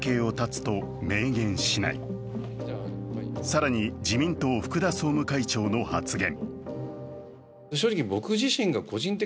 更に、自民党、福田総務会長の発言。